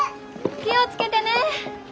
気を付けてね！